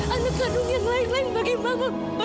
anak kanun yang lain lain bagi mama